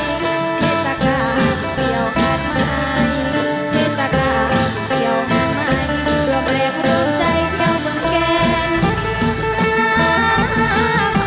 เสียงแทนก็ให้เล่นแทนรักคุณนักแทนช่วยช่องเราใหม่